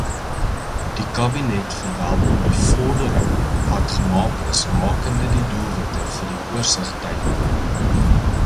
Die Kabinet verwelkom die vordering wat gemaak is rakende die doelwitte vir die oorsigtydperk.